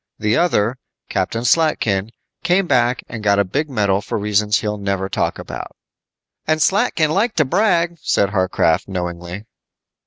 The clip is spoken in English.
The other, Captain Slatkin, came back and got a big medal for reasons he'll never talk about." "And Slatkin liked to brag," said Warcraft, knowingly.